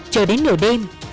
chờ đến nửa đêm